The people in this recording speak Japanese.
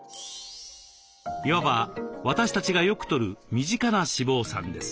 いわば私たちがよくとる身近な脂肪酸です。